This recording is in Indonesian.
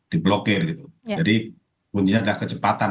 di blokir jadi intinya adalah kecepatan